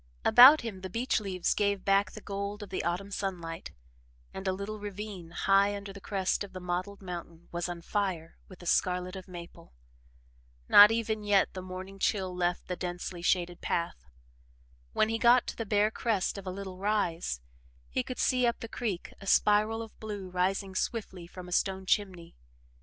About him, the beech leaves gave back the gold of the autumn sunlight, and a little ravine, high under the crest of the mottled mountain, was on fire with the scarlet of maple. Not even yet had the morning chill left the densely shaded path. When he got to the bare crest of a little rise, he could see up the creek a spiral of blue rising swiftly from a stone chimney.